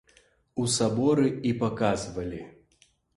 У саборы і паказвалі.